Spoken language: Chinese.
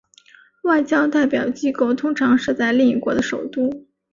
外交代表机构通常设在另一国的首都。